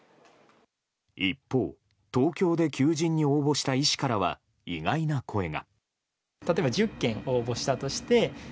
一方、東京で求人に応募した医師からは、意外な声が。